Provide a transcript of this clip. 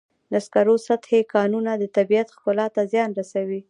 د سکرو سطحي کانونه د طبیعت ښکلا ته زیان رسوي.